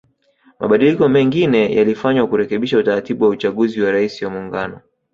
Mabadiliko mengine yalifanywa kurekebisha utaratibu wa uchaguzi wa Rais wa Muungano